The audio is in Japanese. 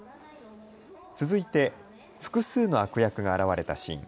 続いて複数の悪役が現れたシーン。